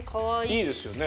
いいですよね。